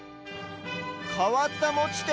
かわったもちて。